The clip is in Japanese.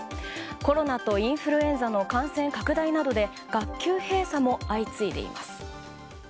コロナとインフルエンザの感染拡大などで学級閉鎖も相次いでいます。